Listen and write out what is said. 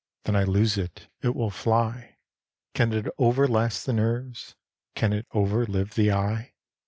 Then I lose it: it will fly: Can it overlast the nerves? Can it overlive the eye?